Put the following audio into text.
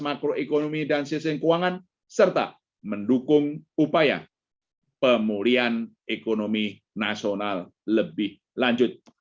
makroekonomi dan sistem keuangan serta mendukung upaya pemulihan ekonomi nasional lebih lanjut